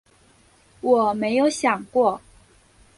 我没有想过